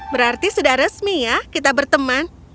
berarti sudah resmi ya kita berteman